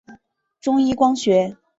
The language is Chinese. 中一光学。